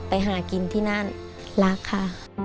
ไปหากินที่นั่นรักค่ะ